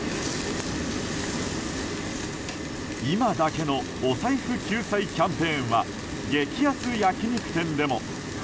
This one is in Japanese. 今だけのお財布救済キャンペーンは激安焼き肉店でも。